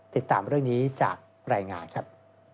ติดตามเรื่องนี้จากรายงานครับ